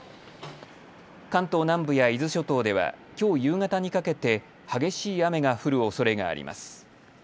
関東南部や伊豆諸島ではきょう夕方にかけて激しい雨が降るおそれがあります。